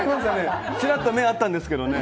ちらっと目が合ったんですけどね。